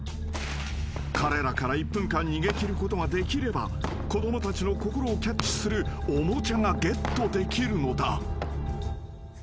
［彼らから１分間逃げ切ることができれば子供たちの心をキャッチするおもちゃがゲットできるのだ］